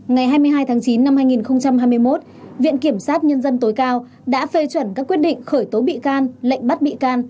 ngày hai mươi hai tháng chín năm hai nghìn hai mươi một viện kiểm sát nhân dân tối cao đã phê chuẩn các quyết định khởi tố bị can lệnh bắt bị can